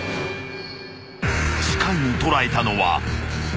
［視界に捉えたのは］